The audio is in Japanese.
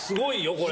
これ。